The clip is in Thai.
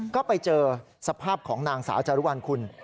ก็ไปเจอสภาพของนางสาวจารุวัลคุณ